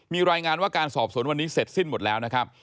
มีรายงานว่าการสอบสวนวันนี้เสร็จสิ้นหมดแล้วนะครับ